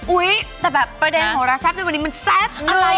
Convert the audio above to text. อุ๊ยแต่แบบประเด็นโหราแซ่บในวันนี้มันแซ่บอะไร